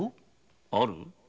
ある？